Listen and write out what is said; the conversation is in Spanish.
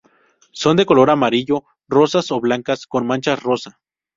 Son de color amarillo, rosas o blancas con manchas rosa.